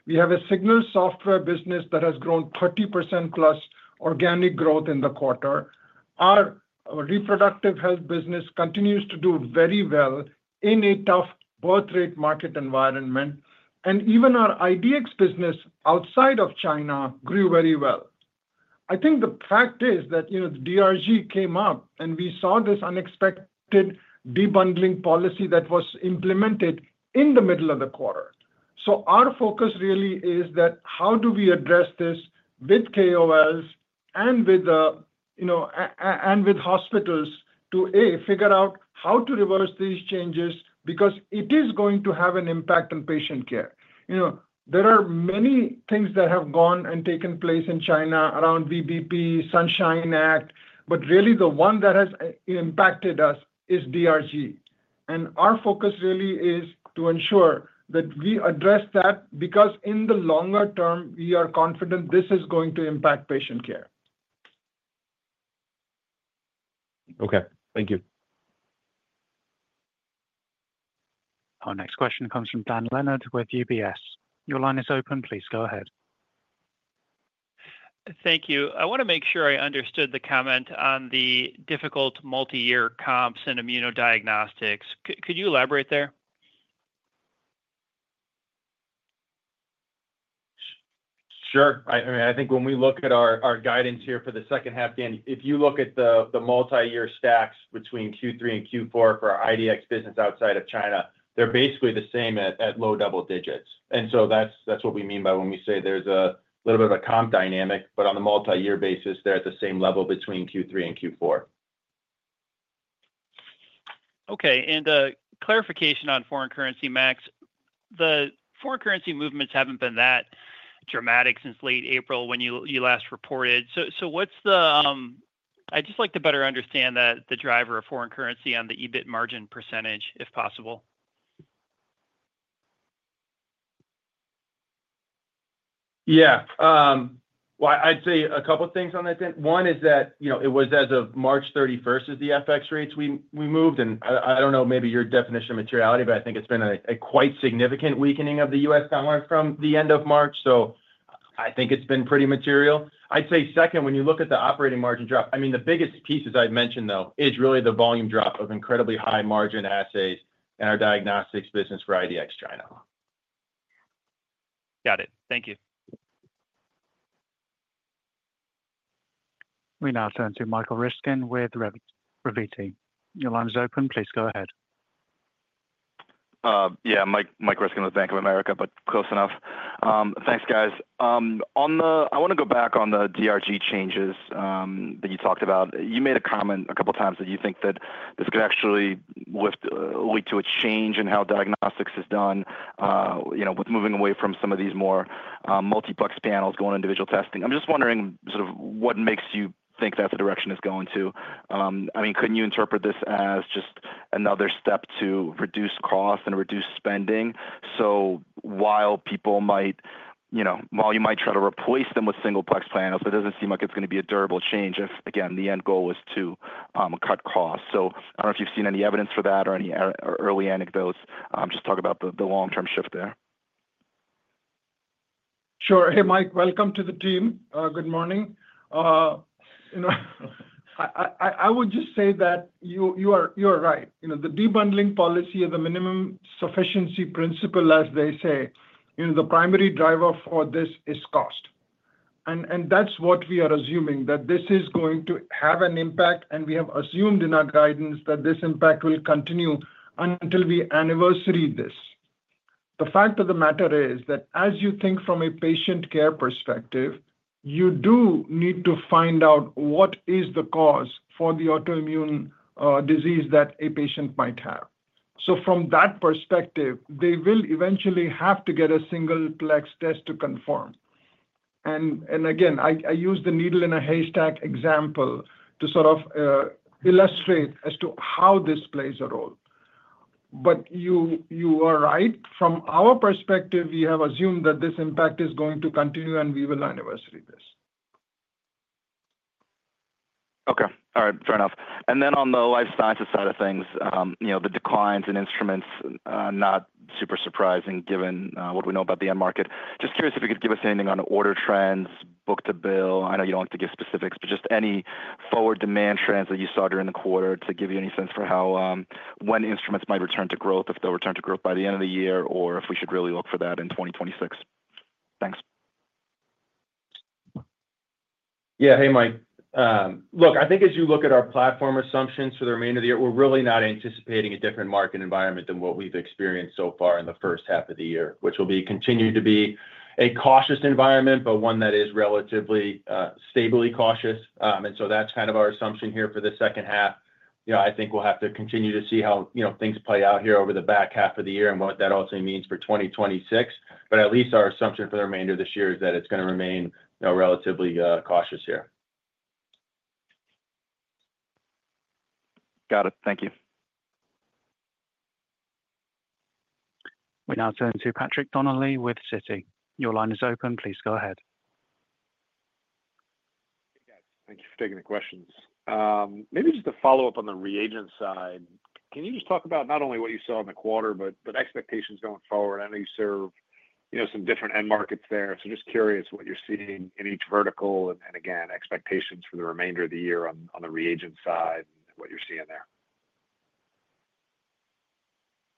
H: We have a Signals software business that has grown 30% plus organic growth in the quarter. Our reproductive health business continues to do very well in a tough birth rate market environment. Even our IDX business outside of China grew very well. I think the fact is that, you know, the DRG came up and we saw this unexpected debundling policy that was implemented in the middle of the quarter. Our focus really is that how do we address this with KOLs and with the, you know, and with hospitals to, A, figure out how to reverse these changes because it is going to have an impact on patient care. You know, there are many things that have gone and taken place in China around VBP, Sunshine Act, but really the one that has impacted us is DRG. Our focus really is to ensure that we address that because in the longer term, we are confident this is going to impact patient care. Okay. Thank you.
A: Our next question comes from Dan Leonard with UBS. Your line is open. Please go ahead. Thank you.
I: I want to make sure I understood the comment on the difficult multi-year comps and immunodiagnostics. Could you elaborate there?
D: Sure. I mean, I think when we look at our guidance here for the second half, Dan, if you look at the multi-year stacks between Q3 and Q4 for our IDX business outside of China, they're basically the same at low double digits. That is what we mean by when we say there's a little bit of a comp dynamic, but on the multi-year basis, they're at the same level between Q3 and Q4.
I: Okay. And, clarification on foreign currency, Max, the foreign currency movements haven't been that dramatic since late April when you last reported. So, what's the, I'd just like to better understand the driver of foreign currency on the EBIT margin percentage, if possible.
D: Yeah. I'd say a couple of things on that. One is that, you know, it was as of March 31st as the FX rates we moved, and I don't know, maybe your definition of materiality, but I think it's been a quite significant weakening of the U.S. dollar from the end of March. I think it's been pretty material. I'd say second, when you look at the operating margin drop, the biggest pieces I've mentioned though is really the volume drop of incredibly high margin assays in our diagnostics business for IDX China.
I: Got it. Thank you.
A: We now turn to Michael Riskin with Revvity team. Your line is open. Please go ahead.
J: Yeah, Mike, Michael Riskin with Bank of America, but close enough. Thanks, guys. I want to go back on the DRG changes that you talked about. You made a comment a couple of times that you think that this could actually lift, lead to a change in how diagnostics is done, you know, with moving away from some of these more multiplex panels going to individual testing. I'm just wondering sort of what makes you think that's the direction it's going to. I mean, could not you interpret this as just another step to reduce costs and reduce spending? So while people might, you know, while you might try to replace them with single plex panels, it does not seem like it is going to be a durable change if, again, the end goal was to cut costs. So I do not know if you have seen any evidence for that or any early anecdotes. Just talk about the long-term shift there.
C: Sure. Hey, Mike, welcome to the team. Good morning. You know, I would just say that you are right. You know, the debundle policy or the minimum sufficiency principle, as they say, you know, the primary driver for this is cost. And that is what we are assuming, that this is going to have an impact, and we have assumed in our guidance that this impact will continue until we anniversary this. The fact of the matter is that as you think from a patient care perspective, you do need to find out what is the cause for the autoimmune disease that a patient might have. So from that perspective, they will eventually have to get a singleplex test to confirm. And again, I use the needle in a haystack example to sort of illustrate as to how this plays a role. But you are right. From our perspective, we have assumed that this impact is going to continue and we will anniversary this.
J: Okay. All right. Fair enough. And then on the life sciences side of things, you know, the declines in instruments, not super surprising given what we know about the end market. Just curious if you could give us anything on order trends, book to bill. I know you do not like to give specifics, but just any forward demand trends that you saw during the quarter to give you any sense for how, when instruments might return to growth, if they will return to growth by the end of the year, or if we should really look for that in 2026. Thanks.
D: Yeah. Hey, Mike. Look, I think as you look at our platform assumptions for the remainder of the year, we are really not anticipating a different market environment than what we have experienced so far in the first half of the year, which will continue to be a cautious environment, but one that is relatively stably cautious. And so that is kind of our assumption here for the second half. You know, I think we will have to continue to see how, you know, things play out here over the back half of the year and what that also means for 2026. But at least our assumption for the remainder of this year is that it is going to remain, you know, relatively cautious here.
J: Got it. Thank you.
A: We now turn to Patrick Donnelly with Citi. Your line is open. Please go ahead.
K: Thank you for taking the questions. Maybe just a follow-up on the reagent side. Can you just talk about not only what you saw in the quarter, but expectations going forward? I know you serve, you know, some different end markets there. Just curious what you're seeing in each vertical and, again, expectations for the remainder of the year on the reagent side and what you're seeing there.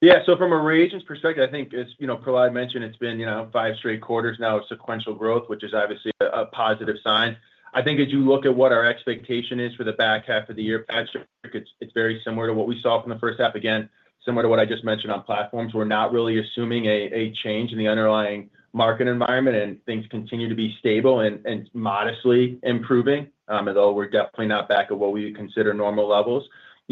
D: Yeah. From a reagent perspective, I think it's, you know, Prahlad mentioned it's been five straight quarters now of sequential growth, which is obviously a positive sign. I think as you look at what our expectation is for the back half of the year past year, it's very similar to what we saw from the first half. Again, similar to what I just mentioned on platforms. We're not really assuming a change in the underlying market environment, and things continue to be stable and modestly improving, although we're definitely not back at what we consider normal levels.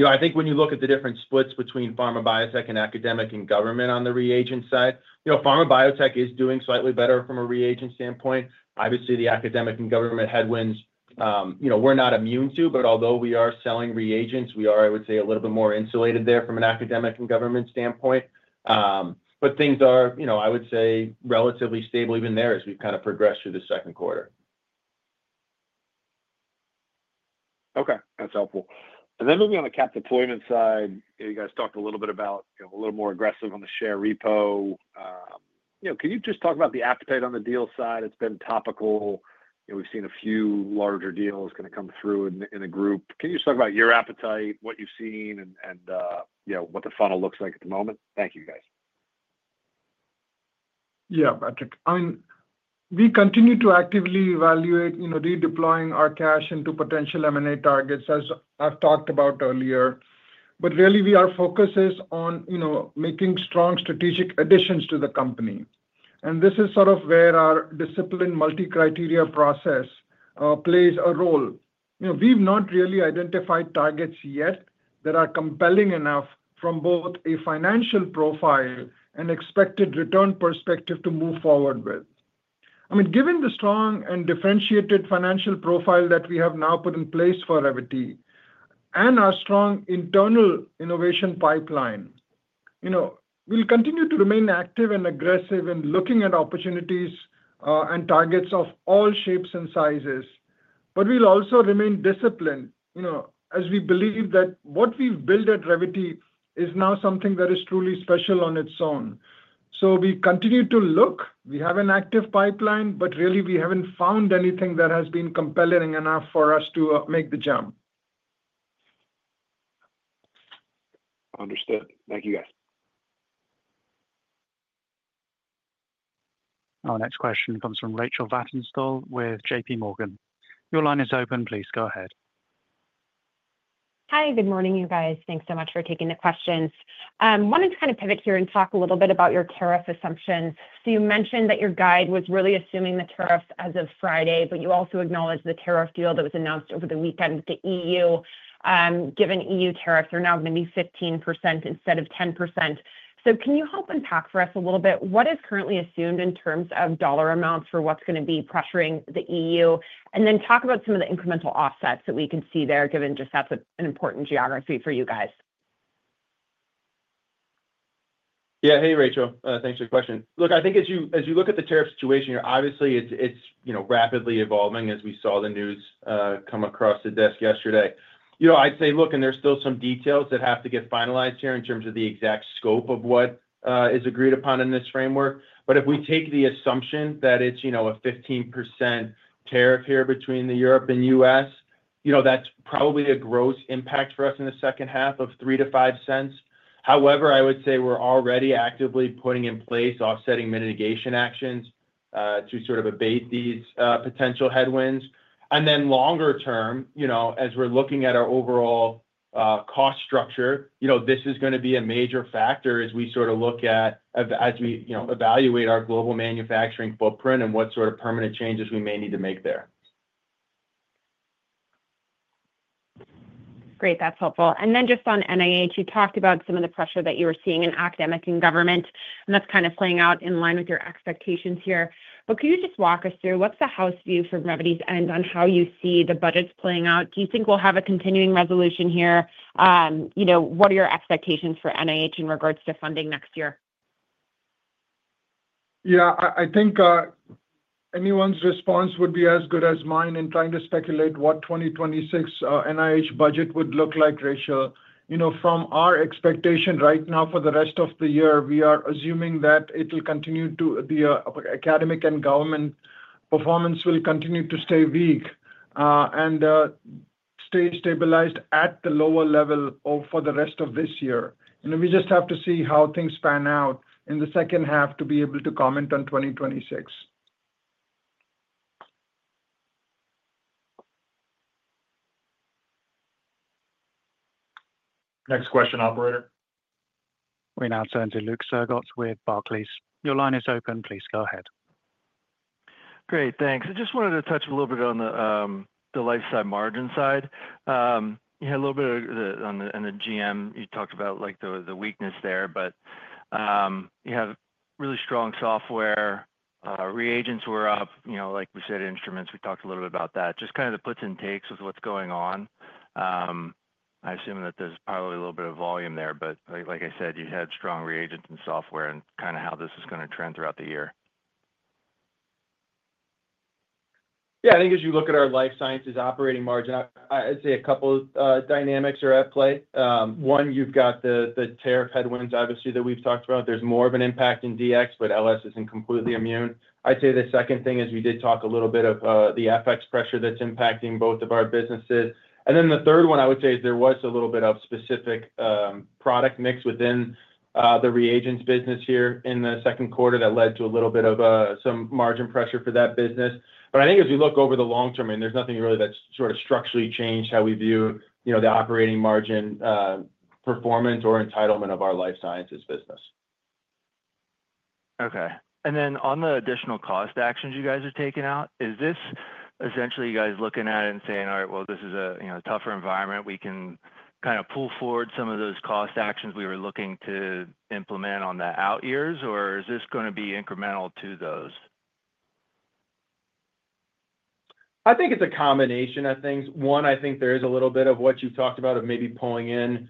D: I think when you look at the different splits between pharma biotech and academic and government on the reagent side, pharma biotech is doing slightly better from a reagent standpoint. Obviously, the academic and government headwinds, we're not immune to, but although we are selling reagents, we are, I would say, a little bit more insulated there from an academic and government standpoint. Things are, I would say, relatively stable even there as we've kind of progressed through the second quarter.
K: Okay. That's helpful. Then maybe on the cap deployment side, you guys talked a little bit about a little more aggressive on the share repo. Can you just talk about the appetite on the deal side? It's been topical. We've seen a few larger deals kind of come through in a group. Can you just talk about your appetite, what you've seen, and what the funnel looks like at the moment? Thank you, guys.
C: Yeah, Patrick. I mean, we continue to actively evaluate redeploying our cash into potential M&A targets as I've talked about earlier. Really, we are focused on making strong strategic additions to the company. This is sort of where our disciplined multi-criteria process plays a role. We've not really identified targets yet that are compelling enough from both a financial profile and expected return perspective to move forward with. Given the strong and differentiated financial profile that we have now put in place for Revvity and our strong internal innovation pipeline, we'll continue to remain active and aggressive in looking at opportunities and targets of all shapes and sizes. We'll also remain disciplined, as we believe that what we've built at Revvity is now something that is truly special on its own. We continue to look. We have an active pipeline, but really, we haven't found anything that has been compelling enough for us to make the jump.
K: Understood. Thank you, guys.
A: Our next question comes from Rachel Vatnsdal with JP Morgan. Your line is open. Please go ahead.
L: Hi. Good morning, you guys. Thanks so much for taking the questions. I wanted to kind of pivot here and talk a little bit about your tariff assumptions. You mentioned that your guide was really assuming the tariffs as of Friday, but you also acknowledged the tariff deal that was announced over the weekend with the EU, given EU tariffs are now going to be 15% instead of 10%. Can you help unpack for us a little bit what is currently assumed in terms of dollar amounts for what's going to be pressuring the EU, and then talk about some of the incremental offsets that we can see there, given just that's an important geography for you guys?
D: Yeah. Hey, Rachel. Thanks for the question. Look, I think as you look at the tariff situation here, obviously, it's, you know, rapidly evolving as we saw the news come across the desk yesterday. I'd say, look, there's still some details that have to get finalized here in terms of the exact scope of what is agreed upon in this framework. If we take the assumption that it's a 15% tariff here between Europe and the US, that's probably a gross impact for us in the second half of $0.03-$0.05. However, I would say we're already actively putting in place offsetting mitigation actions to sort of abate these potential headwinds. Longer term, as we're looking at our overall cost structure, this is going to be a major factor as we sort of look at, as we evaluate our global manufacturing footprint and what sort of permanent changes we may need to make there.
L: Great. That's helpful. And then just on NIH, you talked about some of the pressure that you were seeing in academic and government, and that's kind of playing out in line with your expectations here. Could you just walk us through what's the house view from Revvity's end on how you see the budgets playing out? Do you think we'll have a continuing resolution here? You know, what are your expectations for NIH in regards to funding next year?
C: Yeah. I think anyone's response would be as good as mine in trying to speculate what 2026 NIH budget would look like, Rachel. From our expectation right now for the rest of the year, we are assuming that academic and government performance will continue to stay weak, and stay stabilized at the lower level for the rest of this year. You know, we just have to see how things pan out in the second half to be able to comment on 2026.
D: Next question, operator.
A: We now turn to Luke Surgot with Barclays. Your line is open. Please go ahead. Great. Thanks. I just wanted to touch a little bit on the, the life-side margin side. You had a little bit of the, on the, on the GM, you talked about, like, the, the weakness there, but you have really strong software, reagents were up, you know, like we said, instruments. We talked a little bit about that. Just kind of the puts and takes with what's going on. I assume that there's probably a little bit of volume there, but like I said, you had strong reagents and software and kind of how this is going to trend throughout the year.
D: Yeah. I think as you look at our life sciences operating margin, I'd say a couple of dynamics are at play. One, you've got the, the tariff headwinds, obviously, that we've talked about. There's more of an impact in DX, but LS isn't completely immune. I'd say the second thing is we did talk a little bit of the FX pressure that's impacting both of our businesses. And then the third one, I would say, is there was a little bit of specific product mix within the reagents business here in the second quarter that led to a little bit of some margin pressure for that business. But I think as we look over the long term, I mean, there's nothing really that's sort of structurally changed how we view, you know, the operating margin, performance or entitlement of our life sciences business. Okay, and then on the additional cost actions you guys are taking out, is this essentially you guys looking at it and saying, "All right, well, this is a, you know, tougher environment. We can kind of pull forward some of those cost actions we were looking to implement on the out years," or is this going to be incremental to those? I think it's a combination of things. One, I think there is a little bit of what you talked about of maybe pulling in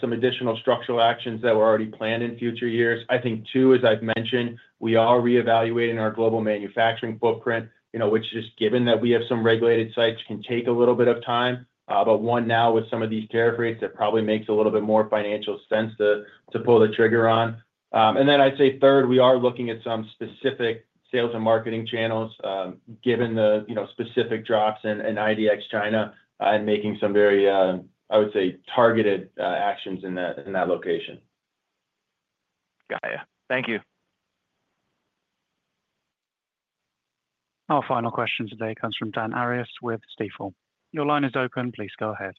D: some additional structural actions that were already planned in future years. I think two, as I've mentioned, we are reevaluating our global manufacturing footprint, you know, which just given that we have some regulated sites can take a little bit of time. But one now with some of these tariff rates, it probably makes a little bit more financial sense to pull the trigger on. And then I'd say third, we are looking at some specific sales and marketing channels, given the, you know, specific drops in IDX China, and making some very, I would say targeted, actions in that, in that location. Got you. Thank you. Our final question today comes from Dan Arias with Stifel. Your line is open. Please go ahead.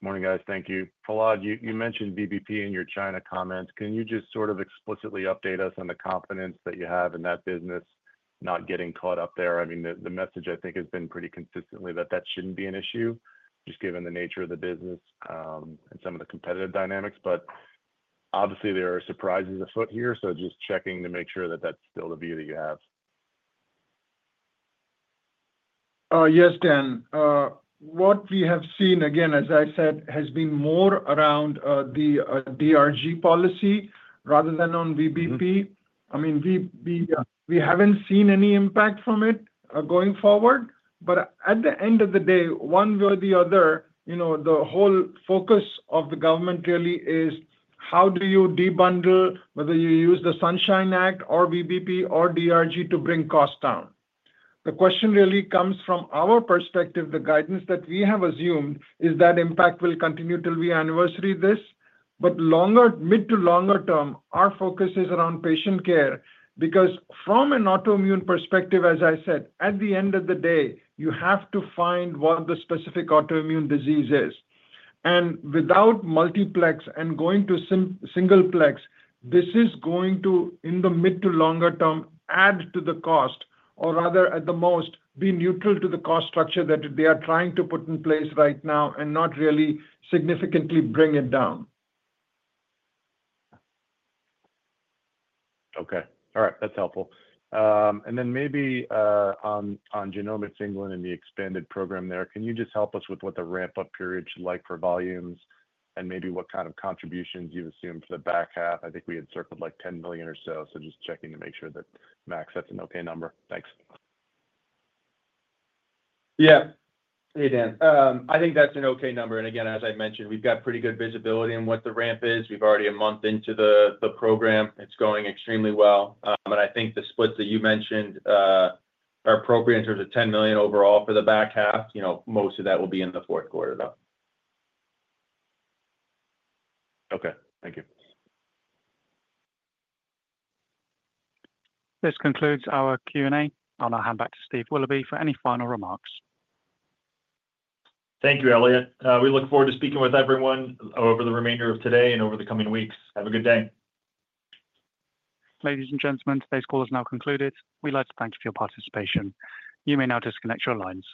M: Morning, guys. Thank you. Prahlad, you mentioned BBP in your China comments. Can you just sort of explicitly update us on the confidence that you have in that business not getting caught up there? I mean, the message I think has been pretty consistently that that shouldn't be an issue just given the nature of the business, and some of the competitive dynamics. Obviously, there are surprises afoot here. Just checking to make sure that that's still the view that you have.
C: Yes, Dan. What we have seen, again, as I said, has been more around the DRG policy rather than on BBP. I mean, we haven't seen any impact from it going forward. At the end of the day, one way or the other, you know, the whole focus of the government really is how do you debundle, whether you use the Sunshine Act or BBP or DRG to bring costs down. The question really comes from our perspective. The guidance that we have assumed is that impact will continue till we anniversary this. Longer, mid to longer term, our focus is around patient care because from an autoimmune perspective, as I said, at the end of the day, you have to find what the specific autoimmune disease is. Without multiplex and going to singleplex, this is going to, in the mid to longer term, add to the cost, or rather, at the most, be neutral to the cost structure that they are trying to put in place right now and not really significantly bring it down.
M: Okay. All right. That's helpful. And then maybe, on Genomics England and the expanded program there, can you just help us with what the ramp-up period should look like for volumes and maybe what kind of contributions you've assumed for the back half? I think we had circled like $10 million or so. Just checking to make sure that, Max, that's an okay number. Thanks.
D: Yeah. Hey, Dan. I think that's an okay number. Again, as I mentioned, we've got pretty good visibility on what the ramp is. We've already a month into the program. It's going extremely well. I think the splits that you mentioned are appropriate in terms of $10 million overall for the back half. Most of that will be in the fourth quarter though.
M: Okay. Thank you.
A: This concludes our Q&A. I'll now hand back to Steve Willoughby for any final remarks.
B: Thank you, Elliott. We look forward to speaking with everyone over the remainder of today and over the coming weeks. Have a good day.
A: Ladies and gentlemen, today's call is now concluded. We'd like to thank you for your participation. You may now disconnect your lines.